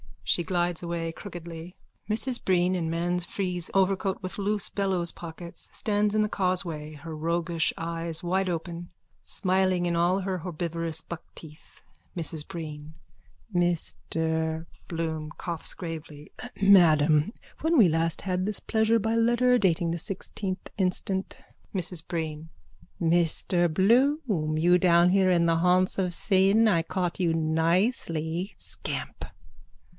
_(She glides away crookedly. Mrs Breen in man's frieze overcoat with loose bellows pockets, stands in the causeway, her roguish eyes wideopen, smiling in all her herbivorous buckteeth.)_ MRS BREEN: Mr... BLOOM: (Coughs gravely.) Madam, when we last had this pleasure by letter dated the sixteenth instant... MRS BREEN: Mr Bloom! You down here in the haunts of sin! I caught you nicely! Scamp!